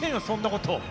そんなこと。